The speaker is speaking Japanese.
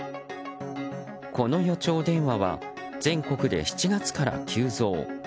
この予兆電話は全国で７月から急増。